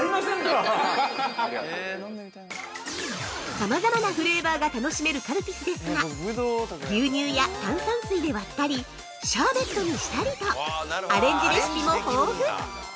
◆さまざまなフレーバーが楽しめるカルピスですが、牛乳や炭酸水で割ったり、シャーベットにしたりと、アレンジレシピも豊富。